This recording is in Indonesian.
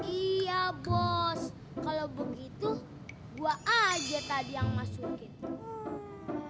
iya bos kalau begitu gue aja tadi yang masukin